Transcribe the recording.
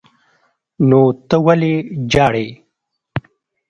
نو ته ولې ژاړې.